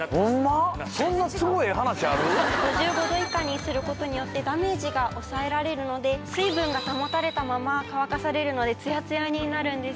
５５度以下にする事によってダメージが抑えられるので水分が保たれたまま乾かされるのでツヤツヤになるんです。